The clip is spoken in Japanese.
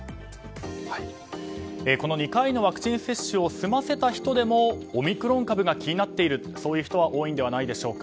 この２回のワクチン接種を済ませた人でもオミクロン株が気になっているそういう人は多いのではないでしょうか。